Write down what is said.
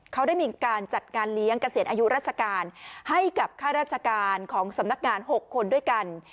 เขาได้มีการจัดงานเลี้ยงเกษียณอายุราชการให้กับค่าราชการของสำนักงาน๖คนด้วยกัน